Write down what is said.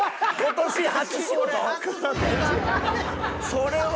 それは。